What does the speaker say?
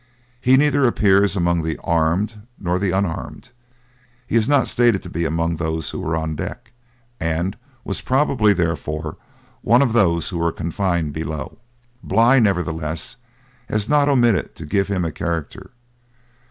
He neither appears among the armed nor the unarmed; he is not stated to be among those who were on deck, and was probably therefore one of those who were confined below. Bligh, nevertheless, has not omitted to give him a character.